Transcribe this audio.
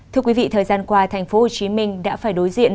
thưa quý vị thời gian qua thành phố hồ chí minh đã phải đối diện